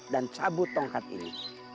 dan cabut tongkat ini